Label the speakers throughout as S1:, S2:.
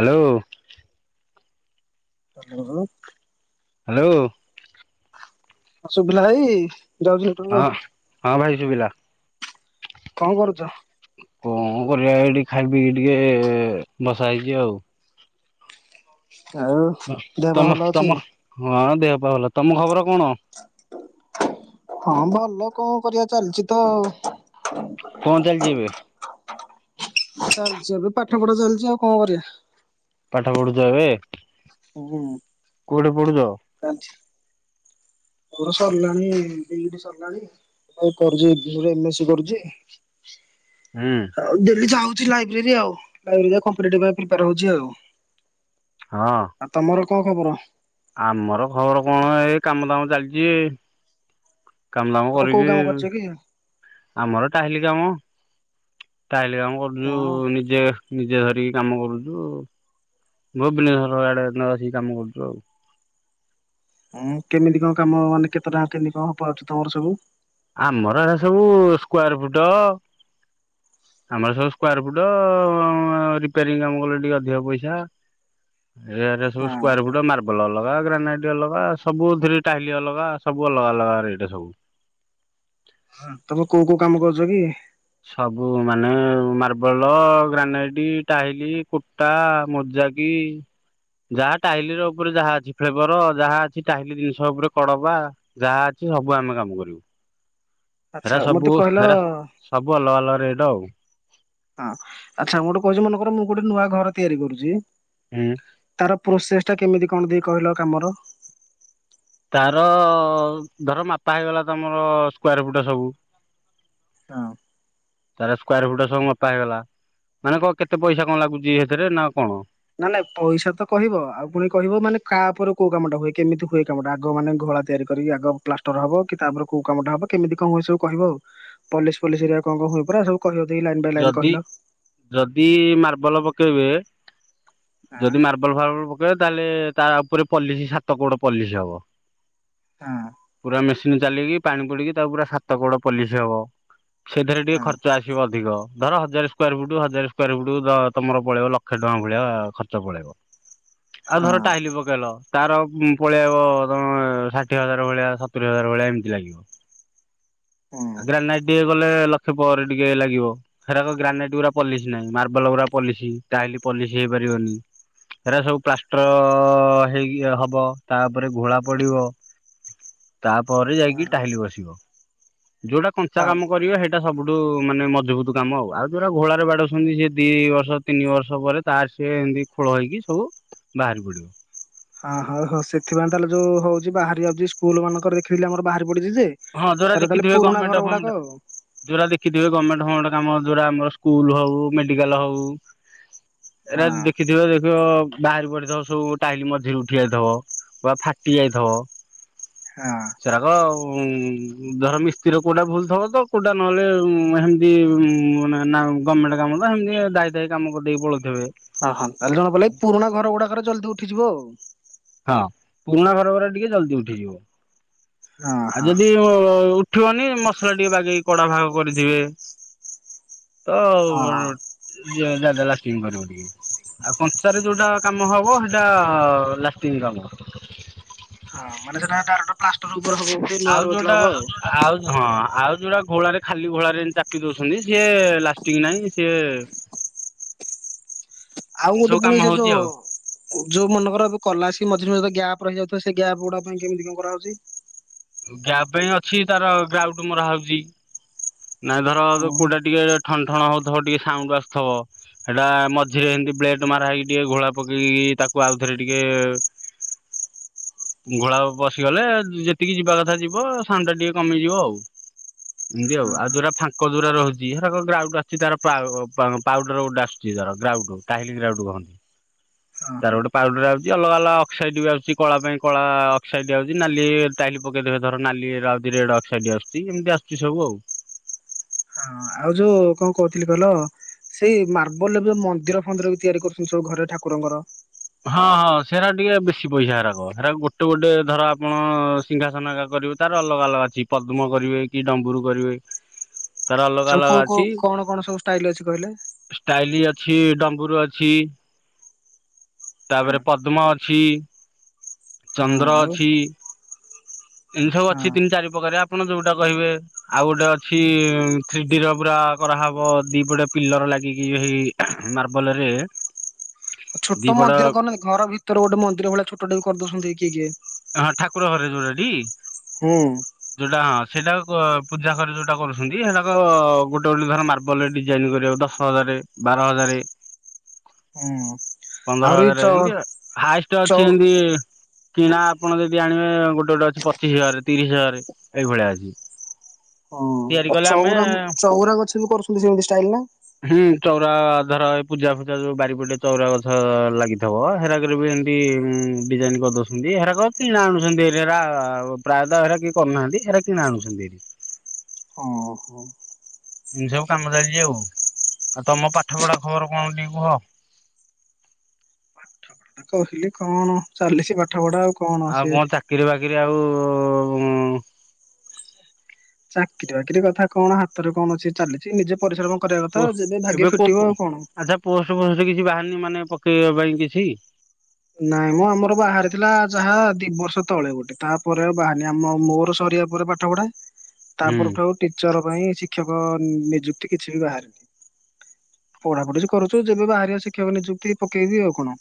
S1: Hello.
S2: ଉଁ ହୁଁ ହୁଁ।
S1: ହାଲୋ।
S2: ଆସୁଭିଲା ଭାଇ
S1: ହଁ
S2: ଜଗତସିଂପୁରର।
S1: ହଁ ଭାଇ ଶୁଭିଲା।
S2: କଣ କରୁଚ?
S1: କଣ କରିବା ଏଇଠି ଖାଇ ପିଇିକି ଟିକେ ବସା ହେଇଚି ଆଉ।
S2: ଆଉ
S1: ଅ
S2: ଦେହ ପା
S1: ତମ
S2: ଭଲ ଅଛି?
S1: ତମ ହଁ ଦେହ ପା ଭଲ ତମ ଖବର କଣ?
S2: [inaudible] ହଁ ଭଲ କଣ କରିବା ଚାଲିଚି ତ ଆଉ।
S1: କଣ ତାହଲେ ଯିବି
S2: ଚାଲିଛି ଏବେ ପାଠପଢା ଚାଲିଛି ଆଉ କଣ କରିବା?
S1: ପାଠା ପଢୁଛ ଏବେ
S2: ହୁଁ।
S1: କୋଉଠି ପଢୁଛ?
S2: ମୋର ସରିଲାଣି ଦି ଟା ସରିଲାଣି। କରୁଛି ଏମ ଏ ସି କରୁଛି
S1: ହୁଁ
S2: ଆଉ ଡେଲି ଯାଉ ଲାଇବ୍ରେରୀ ଆଊ କମ୍ପିଟେଟିଭ ପାଇଁ ପ୍ରିପେୟାର ହୋଉଛି
S1: ହଁ
S2: ଆଊ। କଣ ଖବର?
S1: ଆମର ଖବର କଣ ଏଇ କାମ ଦାମ ଚାଲିଛି। କାମ ଧାମ
S2: ତମେ କୋଉ
S1: କରିକି
S2: କାମ କରୁଛ କି?
S1: ଆମର ଟାଇଲି କାମ ତାହେଲେ କାମ କରୁଛୁ
S2: ହଁ
S1: ନିଜେ ନିଜେ ଧରି କାମ କରୁଛୁ ଭୁବନେଶ୍ଵର ଆଡେ ନ ଆସିକି କାମ କରୁଛୁ ଆଉ।
S2: ହୁଁ କେମିତି କଣ କାମ ମାନେ କେତେ ଟଙ୍କା କେମିତି କଣ ପାଉଛ ତମର ସବୁ
S1: ଆମର ଏଟା ସବୁ ସ୍କାୟାର ଫୁଟ ଆମର ସବୁ ସ୍କାୟାର ଫୁଟ ରିପେୟାରିଂ କାମ କଲେ ଟିକେ ଅଧିକ ପଇସା
S2: ହ
S1: ଏରେ ସବୁ ସ୍କାୟାର ଫୁଟ ମାର ବଲ ଅଲଗା ଗ୍ରାନାଇଟ ଅଲଗା ସବୁଥିରେ ଟାଇଲି ଅଲଗା ସବୁ ଅଲଗା ଅଲଗା ରେଟ ସବୁ
S2: ହ ତମେ କୋଉ କୋଉ କାମ କରୁଛ କି?
S1: ସବୁ ମାନେ ମାର୍ବଲ ଗ୍ରାନାଇଟ ଟାଇଲି କୁଟା ମ ଯା କିି ଯାହା ଟାଇଲି ର ଉପରେ ଯାହା ଅଛି ଫ୍ଲେବର ଯାହା ଅଛି ଟାଇଲି ଜିନିଷ ଉପରେ କଡବା ଯାହା ଅଛି। ସବୁ ଆମେ କାମ କରିବୁ? ଏରା
S2: ଆଚ୍ଛା ମତେ
S1: ସବୁ
S2: କହିଲ
S1: ହେରା ସବୁ ଅଲଗା ଅଲଗା ରେଟ ଆଉ।
S2: ହଁ ଆଚ୍ଛା ମୁ ଗୋଟେ କହୁଛି ମନେକର ମୁଁ ଗୋଟେ ନୂଆ ଘର ତିଆରି କରୁଛି।
S1: ହୁଁ
S2: ତାର ପ୍ରୋସେସ ଟା କେମିତି କଣ ଦେଇ କହିଲ କାମର?
S1: ତାର ଧର ମାପା ହେଇଗଲା ତମର ସ୍କାୟାର ଫୁଟ ସବୁ
S2: ହଁ।
S1: ତାର ସ୍କାୟାର ଫିଟ ସବୁ ମପା ହେଇଗଲା, ମାନେ କ କେତେ ପଇସା କଣ ଲାଗୁଛି, ସେଥିରେ ନା କଣ
S2: ନା ନାଇଁ ପଇସା ତ କହିବ ଆଉ ପୁଣି କହିବ ମାନେ କା ଉପରେ କୋଉ କାମଟା ହୁଏ କେମିତି ହୁଏ କାମଟା ଆଗ ମାନେ ଘର ତିଆରି କରି ଆଗ ପ୍ଲାଷ୍ଟର ହବ କି ତାପରେ କଉ କାମଟା ହବ କେମିତି କଣ ହୁଏ ସବୁ କହିବ ଆଉ। ପଲିସ ପଲିସ ଘରିକା କଣ କଣ ହୁଏ ପରା ସବୁ କହିବ ଟିକେ ଲାଇନ ବାଇ ଲାଇନ
S1: ଯଦି
S2: କହିଲ।
S1: ଯଦି ମାର୍ବଲ ପକେଇବେ
S2: ହଁ
S1: ଯଦି ମାର୍ବଲ ଫାର୍ବଲ ପକେଇବେ ତାହେଲେ ତା ଉପରେ ପଲିସି ସାତ କୋଡ ପଲିସି ହବ।
S2: ହଁ।
S1: ପୁରା ମେସିନ ଚାଲିକି ପାଣି ପୋଡିକି ତା ପୁରା ସାତ କୋଡ ପଲିସ ହବ ସେଥିରେ ଟିକେ ଖର୍ଚ୍ଚ ଆସିବ ଅଧିକ ଧର ହଜାର ସ୍କାୟାର ଫୁଟ ହଜାର ସ୍କାୟା ର ଫୁଟ ତମର ପଳେଇବ ଲକ୍ଷେ ଟଙ୍କା ଭଳିଆ ଖର୍ଚ୍ଚ ପଳେଇବ ଆଉ
S2: ହଁ
S1: ଧର ଟାଇଲ ପକେଇଲ ତାର ପଳେଇ ଆଇବ ତମେ ଷାଠିଏ ହଜାର ଭଳିଆ ସତୁରି ହଜାର ଭଳିଆ ଏମିତି ଲାଗିବ।
S2: ହଁ
S1: ଆଗ୍ରା ନାଇ ଟିକେ ଗଲେ ଲକ୍ଷ ପରେ ଟିକେ ଲାଗିବ ସେଗୁରା ଗ୍ରାନେଟ୍ ପୁରା ପଲିସି ନାହିଁ ମାର୍ବଲ ପୁରା ପଲିସି ତାହେଲେ ପଲିସ ପାରିବନି। ହେଗୁରା ସବୁ ପ୍ଲାଷ୍ଟର ହେଇ ହବ ତାପରେ ଘୋଳା ପଡିବ
S2: [inaudible]
S1: ତାପରେ
S2: ହଁ
S1: ଯାଇକି ଟାଇଲ ବସିବ ଯୋଉଟା କଞ୍ଚା
S2: ହଁ।
S1: କାମ କରିବ ସେଇଟା ସବୁଠୁ ମାନେ ମଜବୁତ କାମ ଆଉ ଯଉଟା ଘୋଳାରେ ବାଡଉ ଛନ୍ତି, ସେ ଦିଇ ବର୍ଷ ତିନି ବର୍ଷ ପରେ ତାର ସେ ଏମିତି ଖୋଳ ହେଇକି ସବୁ ବାହାରି ପଡିବ।
S2: ହଁ ହଁ ହଉ ସେଥିପାଇଁ ତାହେଲେ ଯୋଉ ହଉଛି ବାହାରି ଯାଉଛି, ସ୍କୁଲ ମାନଙ୍କର ଦେଖେଇ ଆମର ବା
S1: ହଁ ଯୋଉରା ଦେଖିଥିବେ ଗମେଣ୍ଟ
S2: ଗୁଡାକ
S1: ଫମେଣ୍ଟ
S2: ଆଉ
S1: ଯୋଉରା ଦେଖିଥିବେ ଗମେଣ୍ଟ ହଁ ଗୋଟେ କାମ ଯୋଉରା ଆମର ସ୍କୁଲ ହୋଉ ମେଡିକାଲ୍ ହୋଉ ଏଇରା ଦେଖିଥିବ ଦେଖିବ ବାହାର ପଡିଥିବ ସବୁ ଟାଇଲି ମଝିରୁ ଉଠି ଯାଇଥିବ ବା ଫାଟି ଯାଇଥିବ। ସେରାକ ଆଉ ଧର ମିସ୍ତ୍ରୀର କୋଉଟା ଭୁଲ ଥବ ତ କୋଉଟା ନହେଲେ ହେମିତି ମାନେ ନା ଗମେଣ୍ଟ କାମ ତ ହେମିତି ଦାହିତାହି କାମ କରିଦେଇକି ପଳଉଥିବେ।
S2: ଅ ହ ତାହେଲେ ଜଣା ପଡିଲାକି ପୁରୁଣା ଘର ଗୁଡାକରେ ଜଲଦି ଉଠିଯିବ ଆଉ।
S1: ହଁ ପୁରୁଣା ଘରରା ଟିକେ ଜଲଦି ଉଠିଯିବ।
S2: ହଁ
S1: ଆ
S2: ହଁ।
S1: ଯଦି ଉ ଠି ବନି ମସଲା ଟିକେ ବାଗେଇକି କଡା ଭାଗ କରିଥିବେ। ତ
S2: ହଁ ହଁ
S1: ଯା ଯା ଲାଷ୍ଟିଙ୍ଗ୍ କରିବ ଟିକେ। ଆଉ କଞ୍ଚାରେ ଯୋଉଟା କାମ ହବ ହେଟା ଲାଷ୍ଟିଙ୍ଗ୍ କାମ।
S2: ହଁ ମାନେ ସେଟା ଡାଇରେକ୍ଟ ପ୍ଲାଷ୍ଟର ଉ
S1: ଆଉ ଯୋଉଟା ଆଉ ହଁ ଆଉ ଯୋଉଟା ଘୋଳାରେ ଖାଲି ଘୋଳାରେ ଚାପି ଦୋଉଛନ୍ତି ସିଏ ଲାଷ୍ଟିଙ୍ଗ୍ ନାହିଁ। ସିଏ
S2: [inaudible] ଆଉ ଗୋଟେ
S1: ସବୁ
S2: ପୁଣି
S1: କାମ
S2: ସେ
S1: ହଉଛି
S2: ଯୋଉ
S1: ଆଉ
S2: ଯୋଉ ମନେକର ଏବେ କଲ ଆସି ମଝିରେ ମଝିରେ ଗ୍ୟାପ୍ ରହିଯାଉଛି ତ ସେ ଗ୍ୟାପ୍ ଗୁଡା ପୁଣି କେମିତି କଣ କରାହୋଉଛି?
S1: ଗ୍ୟାପ୍ ପାଇଁ ଅଛି ତାର ଗାଉଟୁ ମରାହୋଉଛି। ନାଇଁ ଧର କୋଉଟା
S2: ହଁ
S1: ଟିକେ ଠନ ଠଣ ହୋଉଥିବ ଟିକେ ସାଉଣ୍ଡ ଆସୁଥିବ ସେଟା ମଝିରେ ଏମିତି ବ୍ଲେଟେ ମାରା ହେଇକି ଟିକେ ଘୋଳା ପକେଇକି ତାକୁ ତାକୁ ଆଉ ଥରେ ଟିକେ
S2: [inaudible]
S1: ଘୋଳା ବସିଗଲେ ଯେତିକି ଯିବା କଥା ଯିବ ସାଉଣ୍ଡଟା ଟିକେ କମିଯିବ ଆଉ। ଏମିତି ଆଉ ଆ ଯୋଉରା ଫାଙ୍କ ଯୋଉରା ରହୁଛି ହେରାକ ଗ୍ରାଉଡୁ ଆସଛି ତାର ପାଉ ପାଉଡର ଗୋଟେ ଆସୁଛି ତାର ଗ୍ରାଉଡୁ ଟାହିଁଲି ଇରାଉଟୁ କହନ୍ତି।
S2: ହଁ ହଁ
S1: ତାର ଗୋଟେ ପାଉଡର ଆଉଛି ଅଲଗା ଅଲଗା ଅକ୍ସାଇଡ ବି ଆଉଛି କଳା ପାଇଁ କଳା ଅକ୍ସାଇଡ ଆଉଛି ନାଲି ଟାଇ ଲି ପକେଇ ଦେବେ ଧର ନାଲିରେଡ୍ ଅକ୍ସାଇଟ ଆସୁଛି ଏମତି ଆସୁଛି ସବୁ ଆଉ।
S2: ଆଉ ଯୋଉ କଣ କହୁଥିଲି କହିଲ ସେଇ ମାର୍ବଲରେ ବି ମନ୍ଦିର ଫନ୍ଦିର ବି ତିଆରି କରୁଛନ୍ତି ସବୁ ଘରେ ଠାକୁରଙ୍କର।
S1: ହଁ ହଁ ସେରା ଟିକେ ବେଶୀ ପଇସା ହେରାକ ସେରା ଗୋଟେ ଗୋଟେ ଧର ଆପଣ ସିଂଙ୍ଘାସନ ହେରାକ କରିବେ ତାର ଅଲଗା ଅଲଗା ଅଛି ପଦ୍ମ କରିବେ କି ଡମ୍ବୁରୁ କରିବେ ତାର ଅଲଗା
S2: ଚଉ
S1: ଅଲଗା
S2: କୋଉ
S1: ଅଛି।
S2: କୋଉ କଣ କଣ ସବୁ ଷ୍ଟାଇଲି ଅଛି କହିଲେ?
S1: ଛି ଡମ୍ୱୁରୁ ଅଛି
S2: ହଁ
S1: ତାପରେ ପଦ୍ମ ଅଛି ଚନ୍ଦ୍ର
S2: ଆଉ
S1: ଅଛି ଏମିତି ସବୁ ଅଛି
S2: ହଁ
S1: ତିନି ଚାରି ପ୍ରକାରିଆ ଆପଣ ଯୋଉଟା କହିବେ ଆଉ ଗୋଟେ ଅଛି ଥ୍ରୀଡି ର ପୁରା କରାହବ ଦିପଟେ ପିଲର ଲାଗିକି ଏହି ମାର୍ବଲ ରେ
S2: ଁ [inaudible] ଛୋଟ ମନ୍ଦିର କରି ନାହାନ୍ତି ଘର ଭିତରେ ଗୋଟେ ମନ୍ଦିର ଭଳିଆ ଛୋଟାେଟେ ବି କରିଦୋଉଛନ୍ତି କିଏ କିଏ
S1: ସହରରେ ଯୋଉଟା ଟି?
S2: ହୁଁ।
S1: ଯୋଉଟା ହଁ ସେଇଟା ପୂଜାଘରେ ଯୋଉଟା କରୁଛନ୍ତି ସେରାକ ଗୋଟେ ଗୋଟେ ଧର ମାର୍ବଲ ରେ ଡିଜାଇନି କରିବାକୁ ଦଶ ହଜାର ଏ ବାର ହଜାରେ
S2: ହୁଁ।
S1: ପନ୍ଦର
S2: ଆହୁରି
S1: ହଜାର
S2: ଚ
S1: ଏମତି ହାଏଷ୍ଟେ
S2: ଚଉ
S1: ଅଛି ଏମତି କିଣା ଆପଣ ଯ ଦି ଆଣିବେ ଗୋଟେ ଗୋଟେ ଅଛି ପଚିଶ ହଜାର ତିରିଶ ହଜାର ଏଇ ଭଳିଆ ଅଛି।
S2: ହଁ
S1: ତିଆରି
S2: ଅ
S1: କଲେ
S2: ଚଉରା
S1: ଆମେ
S2: ଚଉରା ଗଛ ବି କରୁଛନ୍ତି ସେମତି ଷ୍ଟାଇଲି ନା?
S1: ହୁଁ ଚଉରା ଧର ଏ ପୂଜା ଫୁଜା ଯେଉଁ ବାରିପଟେ ଚଉରାଗଛ ଲାଗିଥିବ ହେରାକରେ ବି ଏମିତି ଡିଜାଇନ କରିଦଉଛନ୍ତି ଏରାକ କିଣା ଆଣୁସନ୍ତି ଏରା ପ୍ରାୟତଃ ଏରା କିଏ କରୁନାହାନ୍ତି ଏରା କିଣା ଆଣୁସନ୍ତି।
S2: ଓହୋ।
S1: ଏମିତି ସବୁ କାମ ଚାଲିଚି ଆଉ ଆଉ ତମ ପାଠ ପଢା ଖବର କଣ ଟିକେ କୁହ?
S2: ପାଠ ପଢା ଟା କହିଲି କଣ ଚାଲିଛି ପାଠ ପଢା ଆଉ
S1: ଆଉ କଣ ଚାକିରି ବାକିରି ଆଉ ଉଁ
S2: ଚାକିରି ବାକିରି କଥା କଣ ହାତରେ କଣ ଅଛି ଚାଲିଚି ନିଜେ ପରିଶ୍ରମ କରିବା କଥା
S1: ପୋ
S2: ଯେବେ ଭାଗ୍ୟ
S1: ଏବେ କୋଉ
S2: ଫିଟିବ
S1: ପୋ
S2: ଆଉ କଣ।
S1: ଆଛା ପୋଷ୍ଟ ପୋଷ୍ଟ କିଛି ବାହାରି ନି ମାନେ ପକେଇବା ପାଇଁ କିଛି?
S2: ନାଇଁ ମ ଆମର ବାହାରି ଥିଲା ଯାହା ଦି ବର୍ଷ ତଳେ ଗୋଟେ ତାପରେ ଆଉ ବାହାରନି ଆମ ମୋର ସର ରି ବା ପରେ ପାଠ ପଢା ତା
S1: ହୁଁ
S2: ପରଠୁ ଆଉ ଟିଚର ପାଇଁ ଶିକ୍ଷକ ନିଯୁକ୍ତି କିଛି ବି ବାହାରନି। ପଢାପଢି ଜି କରୁଚୁ ଯେବେ ବାହାରିବା ଶିକ୍ଷକ ନିଯୁକ୍ତି ପକେଇବି ଆଉ କଣ।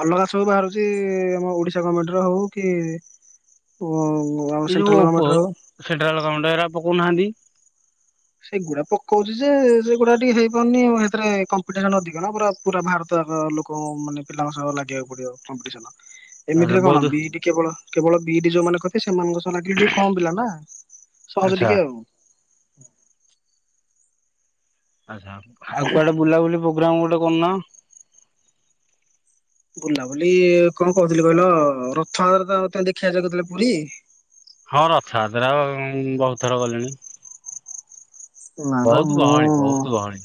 S2: ଅଲଗା ସବୁ ବାହାରୁଚି ଆମ ଓଡିଶା ଗଭର୍ଣମେଣ୍ଟ ର ହଉ କି କୋ
S1: ଏଇ ଯୋ ପୋ ସେଣ୍ଟ୍ରିଲ ଗାର୍ମେଣ୍ଟ ଏରା ପକୋଉ ନାହିଁନ୍ତି।
S2: ସେଇଗୁଡା ପକଉଚି ଯେ ସେ ଗୁଡା ଟିକେ ହେଇପାରୁନି ଆଉ ହେତେରେ କମ୍ପିଟିସନ ଅଧିକ ନା ପୁରା ପୁରା ଭାରତ ର ଲୋକ ମାନେ ପିଲାଙ୍କ ସହ ଲାଗିବାକୁ ପଡିବ କମ୍ପିଡିସନ
S1: ଆଚ୍ଛା
S2: ଏମିତିରେ କଣ
S1: ବହୁତ
S2: ବି ଟି କେବଳ କେବଳ ବି ଟି ଯୋଉମାନେ କରିଥିବେ ସେମାନଙ୍କ [unintelligible] କମ ପିଲା ନା ସହଜ
S1: ଆଚ୍ଛା
S2: ଟିକେ ଆଉ।
S1: ଆଛା ଆଉ କୁଆଡେ ବୁଲାବୁଲି ପ୍ରୋଗ୍ରାମ ଗୋଟେ କରୁନ।
S2: ବୁଲାବୁଲି କଣ କହୁଥିଲି କହିଲ ରଥଆତ୍ରା ତ ବର୍ତମାନ ଦେଖିବା ଯ କହୁଥିଲା ପୁରୀ
S1: ହଁ ରଥଆତ୍ରା ବହୁତ ଥର ଗଲିଣି।
S2: ନାପା
S1: ବହୁତ
S2: ମୁଁ
S1: ଗହଳି ବହୁତ ଗହଳି।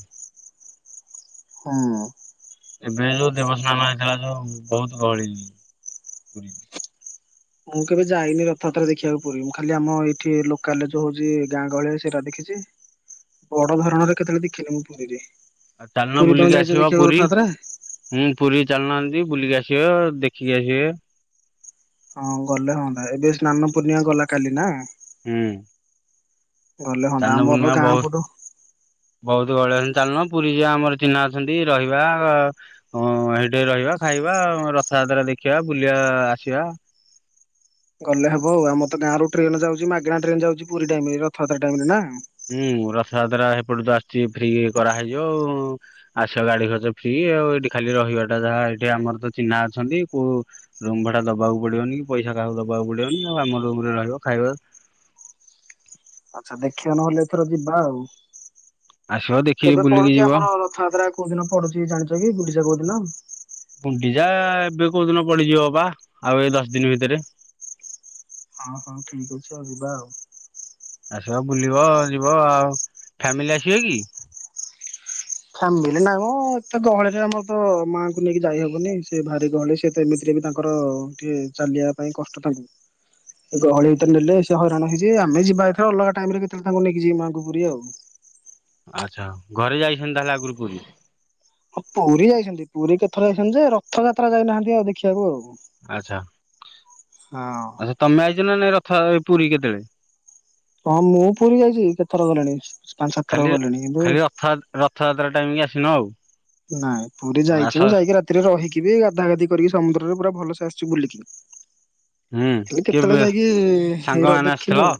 S2: ହୁଁ।
S1: ଏବେ ଯୋଉ ଦେବସ୍ନାନ ହେଇଥିଲା ଯୋଉ ବହୁତ ଗହଳି ପୁରୀ
S2: ମୁଁ କେବେ ଯାଇନି ରଥଯାତ୍ରା ଦେଖିବାକୁ ପୁରୀ ଖାଲି ଆମ ଏଇଠି ଲୋକାଲ ଯୋଉ ହଉଛି ଗାଁ ଗହଳି ସେଟା ଦେଖ ଦେଛି ବଡ ଧରଣରେ କେତେବେଳେ ଦେଖିନି ମୁଁ ପୁରୀରେ।
S1: ଆଉ ଚାଲନା
S2: ପୁରୀ ତମେ
S1: ବୁଲିକି
S2: ଯାଇଛ
S1: ଆସିବା
S2: ଦେଖିବାକୁ
S1: ପୁରୀ
S2: ରଥଯାତ୍ରା?
S1: ହୁଁ ପୁରୀ ଚାଲନାହାନ୍ତି। ବୁଲିକି ଆସିବେ ଦେଖିକି ଆସିବେ।
S2: ହଁ ଗଲେ ହୁନ୍ତା ଏବେ ସ୍ନାନ ପୂର୍ଣ୍ଣିମା ଗଲା କାଲି ନା।
S1: ହୁଁ।
S2: ଗଲେ ହଅନ୍ତା
S1: ଚାଲନ
S2: ଆମର ତ
S1: ପୂର୍ଣ୍ଣିମା
S2: ଗାଁ
S1: ବହୁତ
S2: ପଟୁ
S1: ବହୁତ ଗହଳି ଅଛନ୍ତି ଚାଲୁନ ରେ ଆମର ଚିହ୍ନା ଅଛନ୍ତି ରହିବା ଆ ଅଁ ସେଠେ ରହିବା ଖାଇବା ରଥଯାତ୍ରା ଦେଖି ଦେଖିବା ବୁଲିବା ଆସିବା।
S2: ଗଲେ ହବ ଆଉ ଆମର ତ ଗାଁ ରରୁ ଟ୍ରେନ ଯାଉଚି ମାଗଣା ଟ୍ରେନ୍ ଯାଉଚି ପୁରୀ ଟାଇମ ରେ ରଥଯାତ୍ରା ଟାଇମ ରେ ନା।
S1: ହୁଁ ରଥଯାତ୍ରା ଏପଟ ତ ଆସଛି ଫ୍ରି କରାହଇଯିବ ଆଉ ଆସ ଗାଡି ଖର୍ଚ୍ଚ ଫ୍ରି। ଆଉ ଏଠି ଖାଲି ରହିବାଟା ଯାହା ଏଠି ଆମର ତ ଚିହ୍ନା ଅଛନ୍ତି କଉ ରୁମ ଭାଡା ଦବାକୁ ପଡିବନି କି ପଇସା ଇସା କାହାକୁ ଦବାକୁ ପଡିବନ ଆମ ରୁମ୍ ରେ ରହିବ ଖାଇବା
S2: ଆଛା ଦେଖିବା ନହେଲେ ଏଥର ଯିବା ଆଉ।
S1: ଆସିବ ତ
S2: କେବେ ପଢୁଚି ଆମର ରଥଯାତ୍ରା କୋଉ ଦିନ ପଢୁଚି ଜାଣିଚ କି ଗୁଣ୍ଡିଚା କୋଉ ଦିନ?
S1: ଯା ଏବେ କୋଉ ଦିନ ପଡିଯିବ ବା ଆଉ ଏ ଦଶ ଦିନ ଭିତରେ।
S2: ହଁ ହଁ ଠିକ ଅଛି ଆଉ ଯିବା ଆଉ।
S1: ଆସିବ ବୁଲିବ ଯିବ ଆଉ ଫ୍ୟାମିଲି ଆସିବେ କି?
S2: ଫ୍ୟାମିଲି ନାଇଁ ମ ଏତେ ଗହଳିରେ ଆମର ତ ମାଙ୍କୁ ନେଇକି ଯାଇହବନି ସେ ଭାରି ଗହଳି ସେତ ଏମତିରେ ଟିଏ ତାଙ୍କର ଟିକେ ଚାଲିବା ପାଇଁ କଷ୍ଟ ତାଙ୍କୁ। ଗହଳି ଭିତରେ ନେଲେ ସେ ହଇରାଣ ହେଇଯ ଆମେ ଯିବା ଏରେ ଅଲଗା ଟାଇମ ରେ କେତେବେଳେ ତାଙ୍କୁ ନେଇକି ଯିବ ମାଙ୍କୁ ପୁରୀ ଆଉ ହ [inaudible]
S1: ଆଚ୍ଛା ହୋଉ ଘରେ ଯାଇଛନ୍ତି ତାହଲେ ଆଗରୁ ପୁରୀ
S2: ହଁ ପୁରୀ ଯାଇଚନ୍ତି ପୁରୀ କେଥର ଯାଇଚନ୍ତି ଯେ ରଥଯାତ୍ରା ଯାଇନାହାନ୍ତି ଆଉ ଦେଖିବାକୁ ଆଉ।
S1: ଆଛା
S2: ହଁ
S1: ଆଛା ତମେ ଆଇଚ ନାଇଁ ରଥ ଥାଏ ପୁରୀ କେଟେବେଳେ।
S2: ହଁ ମୁଁ ପୁରୀ ଯାଇଚି କେତ ଥର ଗଲିଣି।
S1: ଖାଲି
S2: କିନ୍ତୁ
S1: ଖାଲି ରଥଆ ରଥଯାତ୍ରା ଟାଇମ କି ଆସିନ ଆଉ।
S2: ନାଇଁ ପୁରୀ ଯାଇଚି
S1: ଆସ
S2: ମୁଁ ଯାଇକି ରାତିରେ ରହିକି ବି ଗାଧା ଗାଧି କରିକି ସମୁଦ୍ରରେ ପୁରା ଭଲସେ ଆସିଚୁ ବୁଲିକି।
S1: ହୁଁ
S2: ହେଲେ କେତୋବେଳେ
S1: କେବେ
S2: ଯାଇକି ହେ ର
S1: ସାଙ୍ଗମାନେ
S2: ଦେଖିନି
S1: ଆସିଥିଲ
S2: ଆଉ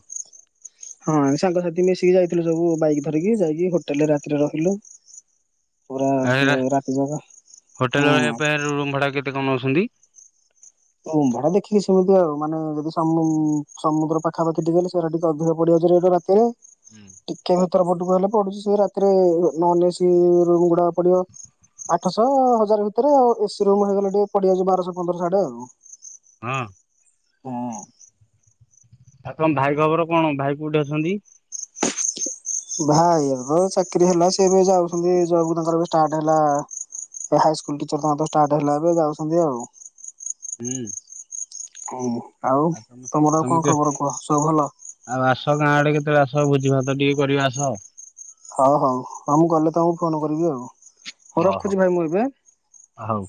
S2: ହଁ ସାଙ୍ଗସାଥି ମିଶିକି ଯାଇଥିଲୁ ସବୁ ବାଇକ ଧରିକି ଯାଇକି ହୋଟେଲରେ ରାତିରେ ରହିଲୁ। ପୁରା। ରାତି ଯାକ
S1: ହୋଟେଲ ରହିବା
S2: ହଁ।
S1: ପାଇଁ ରୁମ୍ ଭାଡ଼ା କେତେ କଁ ନୋଉଛନ୍ତି।
S2: ରୁମ୍ ଭଡ଼ା ଦେଖିକି ସେମିତି ଆଉ ମାନେ ଯଦି ସମୁ ସମୁଦ୍ର ପାଖାପାଖି ଟିକେ ହେଲେ ସେରା ଟିକେ ଅଧିକ ପଡିିବ। [unintelligible] ରାତିରେ
S1: ହଁ
S2: ଟିକେ ତର ପଟୁକୁ ହେଲେ ପଡୁଛି ସେ ରାତିରେ ନନ ଏସି ରୁମ୍ ଗୁଡା ପଡିବ। ଆଠଶହ ହଜାର ଭିତରେ ଆଉ ଏସି ରୁମ ହେଇଗଲେ ଟିକେ ପଡ଼ିଯାଉଚି ବାରଶହ ପନ୍ଦରଶହ ଆଡେ ଆଉ।
S1: ହଁ।
S2: ହଁ।
S1: ଆଉ ତମ ଭାଇ ଖବର କଣ ଭାଇ କୋଉଠି ଅଛନ୍ତି।
S2: ଭାଇ ଏବେ ଚାକିରୀ ହେଲା ସିଏ ଏବେ ଯାଉଛନ୍ତି ଜବ୍ କୁ ତାଙ୍କର ଏବେ ଷ୍ଟାର୍ଟ ହେଲା। ଏଁ ହାଇସ୍କୁଲ ଟିଚର୍ ତାଙ୍କର ତ ଷ୍ଟାର୍ଟ ହେଲା ଏବେ ଯାଉଛନ୍ତି ଆଉ।
S1: ହୁଁ।
S2: ହୁଁ
S1: ଆଉ ତମ
S2: ତମର ଆଉ କଣ
S1: ତମେ କେ
S2: ଖବର କୁହ ସବୁ ଭଲ?
S1: ଆଉ ଆସ ଗାଁ ଆଡେ କେତେବେଳେ ଆସ ସ ଭୋଜି ଭାତ ଟିକେ କରିବା ଆସ ଆଉ।
S2: ହଉ ହଉ ହଁ ମୁଁ ଗଲେ ତମକୁ ଫୋନୋ କରିବି ଆଉ ହୋଉ ରଖୁଛି ଭାଇ ମୁଁ ଏବେ
S1: ଆ ହୋଉ।